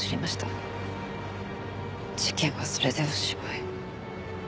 事件はそれでおしまい。